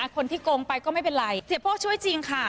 โกงไปก็ไม่เป็นไรเสียโป้ช่วยจริงค่ะ